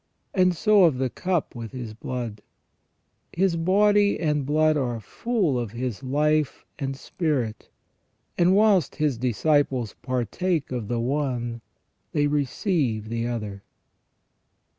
And so of the cup with His blood. His body and blood are full of His life and spirit, and whilst His disciples partake of the one they receive the other.